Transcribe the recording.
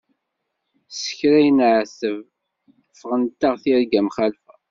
S kra i neɛteb ffɣent-aɣ tirga mxalfa.